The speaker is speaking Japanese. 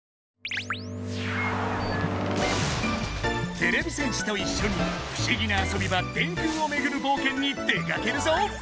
てれび戦士といっしょに不思議な遊び場電空をめぐる冒険に出かけるぞ！